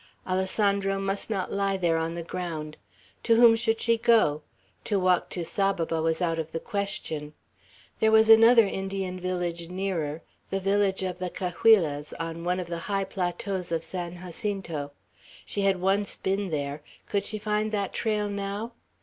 Alessandro must not lie there on the ground. To whom should she go? To walk to Saboba was out of the question. There was another Indian village nearer, the village of the Cahuillas, on one of the high plateaus of San Jacinto. She had once been there. Could she find that trail now?